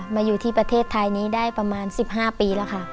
มาอยู่ที่ประเทศไทยนี้ได้ประมาณ๑๕ปีแล้วค่ะ